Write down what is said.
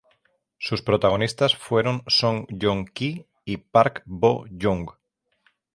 Sus protagonistas fueron Song Joong Ki y Park Bo Young.